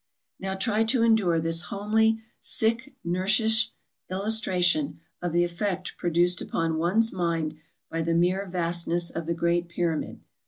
Now try to endure this homely, sick nursish illustration of the effect produced upon one's mind by the mere vastness of the great Pyramid.